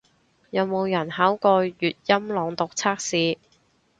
有冇人考過粵音朗讀測試